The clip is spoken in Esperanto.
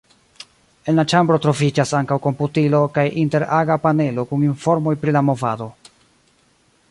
En la ĉambro troviĝas ankaŭ komputilo kaj inter-aga panelo kun informoj pri la movado.